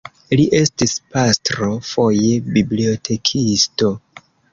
Li estis pastro, foje bibliotekisto.